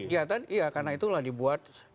iya karena itulah dibuat